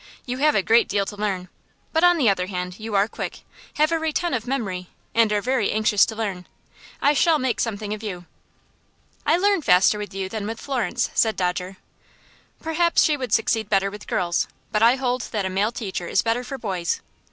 "You have a great deal to learn, but on the other hand you are quick, have a retentive memory, and are very anxious to learn. I shall make something of you." "I learn faster with you than with Florence," said Dodger. "Probably she would succeed better with girls, but I hold that a male teacher is better for boys.